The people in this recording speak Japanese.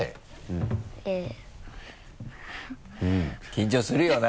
緊張するよな。